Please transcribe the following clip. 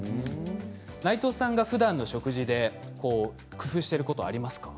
内藤さんがふだんの食事で工夫していることありますか。